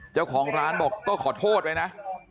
เจ้าของร้านบอกก็ขอโทษไว้นะ